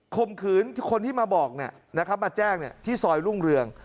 มขืนคนที่มาบอกมาแจ้งที่ซอยรุ่งเรือง